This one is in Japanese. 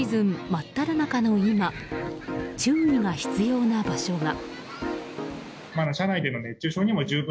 真っただ中の今注意が必要な場所が。